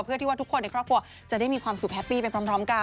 เพื่อที่ว่าทุกคนในครอบครัวจะได้มีความสุขแฮปปี้ไปพร้อมกัน